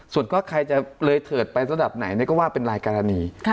ส่วนก็ใครจะเลยเถิดไประดับไหนก็ว่าเป็นรายกรณี